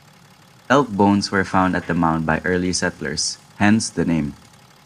Elk bones were found at the mound by early settlers, hence the name.